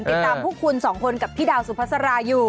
ติดตามพวกคุณสองคนกับพี่ดาวสุภาษาราอยู่